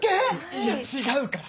いや違うから！